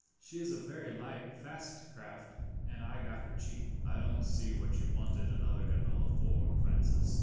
"She is a very light, fast craft, and I got her cheap." "I don't see what you wanted another gondola for, Francis.